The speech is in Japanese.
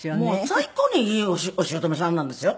最高にいいお姑さんなんですよ。